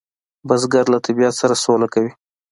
بزګر له طبیعت سره سوله کوي